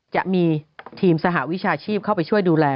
จะมีทีมสหวิชาชีพเข้าไปช่วยดูแล